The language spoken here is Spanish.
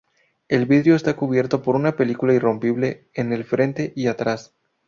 El vidrio está cubierto por una película irrompible en el frente y atrás.